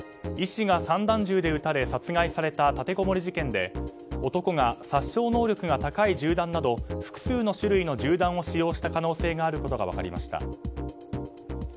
医師が散弾銃で撃たれ殺害された立てこもり事件で男が殺傷能力が高い銃弾など複数の種類の銃弾を使用した可能性があることが分かりました。